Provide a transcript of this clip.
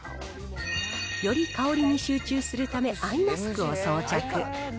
より香りに集中するため、アイマスクを装着。